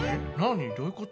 どういうこと？